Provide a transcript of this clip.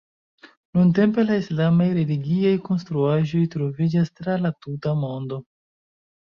Nuntempe la islamaj religiaj konstruaĵoj troviĝas tra la tuta mondo.